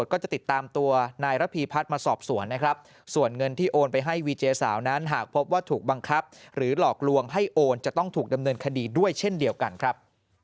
ก็จะติดตามตัวนายระพีพัฒน์มาสอบสวนนะครับส่วนเงินที่โอนไปให้วีเจสาวนั้นหากพบว่าถูกบังคับหรือหลอกลวงให้โอนจะต้องถูกดำเนินคดีด้วยเช่นเดียวกันครับ